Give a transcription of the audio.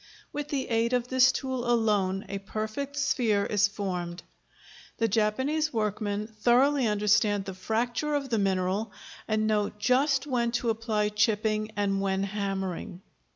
With the aid of this tool alone a perfect sphere is formed. The Japanese workmen thoroughly understand the fracture of the mineral, and know just when to apply chipping and when hammering.